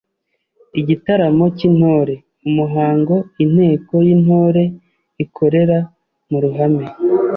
Igitaramo cy’Intore: Umuhango Inteko y’Intore ikorera mu ruhame